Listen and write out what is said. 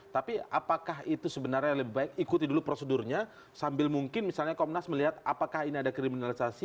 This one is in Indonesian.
tapi apakah itu sebenarnya lebih baik ikuti dulu prosedurnya sambil mungkin misalnya komnas melihat apakah ini ada kriminalisasi